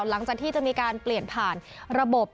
หลังจากที่จะมีการเปลี่ยนผ่านระบบ